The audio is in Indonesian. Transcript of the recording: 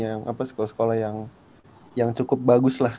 yang sekolah yang cukup bagus lah